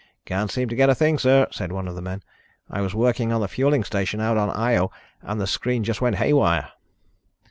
"Can't seem to get a thing, sir," said one of the men. "I was working on the fueling station out on Io, and the screen just went haywire."